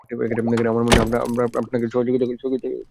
আমার মনে হয় আমরা আপনাকে সহযোগিতা করতে পারবো।